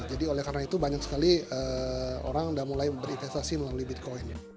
jadi oleh karena itu banyak sekali orang sudah mulai berinvestasi melalui bitcoin